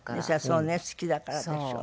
そうね好きだからでしょう。